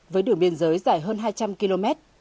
với đường biên giới dài hơn hai trăm linh km